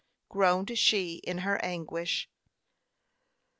groaned she, in her anguish.